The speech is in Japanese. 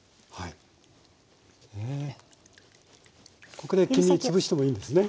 ここで黄身つぶしてもいいんですね？